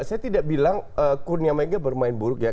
saya tidak bilang kurnia mega bermain buruk ya